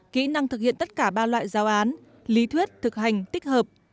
kỹ năng thực hiện tất cả ba loại giáo án lý thuyết thực hành tích hợp